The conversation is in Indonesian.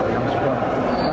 yang mereka dari dada depan